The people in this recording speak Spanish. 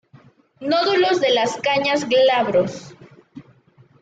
Nódulos de las cañas glabros.